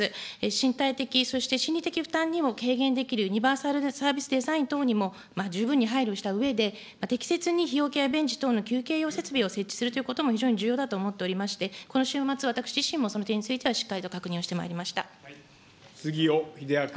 身体的、そして心理的負担にも軽減できるユニバーサルサービスデザイン等にも十分に配慮したうえで、適切に日よけや、ベンチ等の休憩用設備を設置するということも、非常に重要だと思っておりまして、この週末、私自身も、その点についてはしっかりと確認をしてまいり杉尾秀哉君。